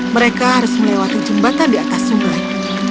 mereka harus melewati jembatan di atas sungai